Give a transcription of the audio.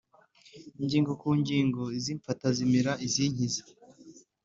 ingingo ku ngingo, izimfata zimira izinkiza,